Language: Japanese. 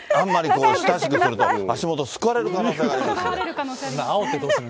あんまりこう、親しくすると足元すくわれる可能性があります。